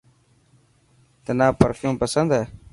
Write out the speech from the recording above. تنا پرفيوم پسند هي.